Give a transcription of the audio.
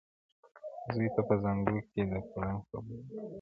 زوی ته په زانګو کي د فرنګ خبري نه کوو!.